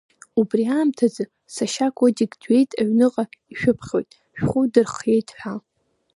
Убри аамҭазы сашьа Котик дҩеит аҩныҟа ишәыԥхьоит, шәхәы дырхиеит ҳәа.